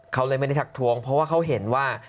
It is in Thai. เขาเลยไม่ได้ทักทวงเพราะว่าเขาเห็นว่า